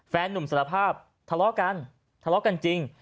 แฟนหนุ่มสารภาพทะลอกันทะลอกันจริง